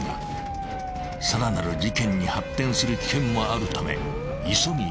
［さらなる事件に発展する危険もあるため］